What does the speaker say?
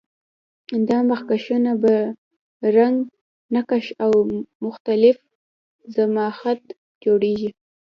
دا مخکشونه په رنګ، نقش او مختلف ضخامت جوړیږي.